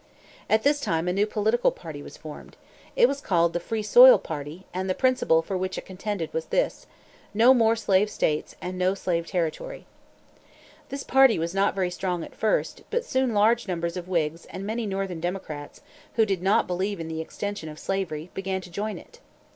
At this time a new political party was formed. It was called the "Free Soil Party," and the principle for which it contended was this: "No more slave states and no slave territory." This party was not very strong at first, but soon large numbers of Whigs and many northern Democrats, who did not believe in the extension of slavery, began to join it.